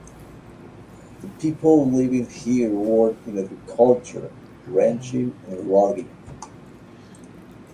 The people living here worked in agriculture, ranching and logging.